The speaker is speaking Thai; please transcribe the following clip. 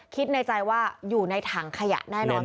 คิดในใจว่าอยู่ในถังขยะแน่นอน